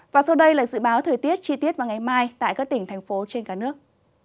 và sau đây là dự báo thời tiết chi tiết vào ngày mai tại các tỉnh thành phố trên cả nước